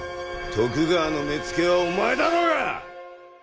徳川の目付けはお前だろうが！